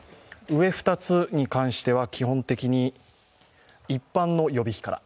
上２つに関しては基本的に一般の予備費から、